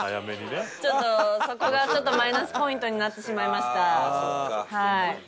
ちょっとそこがちょっとマイナスポイントになってしまいましたはい。